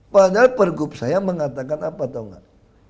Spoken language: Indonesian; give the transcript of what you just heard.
padahal pergub saya mengatakan apa tahu nggak